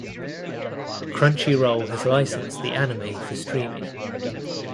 Crunchyroll has licensed the anime for streaming.